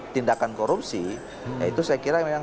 tindakan korupsi itu saya kira memang